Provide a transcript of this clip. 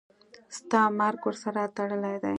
ستا مرګ ورسره تړلی دی.